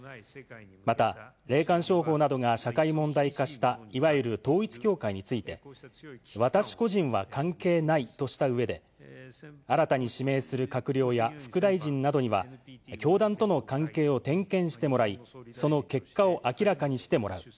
また、霊感商法などが社会問題化した、いわゆる統一教会について、私個人は関係ないとしたうえで、新たに指名する閣僚や副大臣などには、教団との関係を点検してもらい、その結果を明らかにしてもらう。